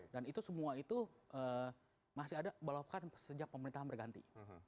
dan itu semua itu masih ada bahkan sejak pemerintahan berganti